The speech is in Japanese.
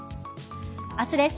明日です。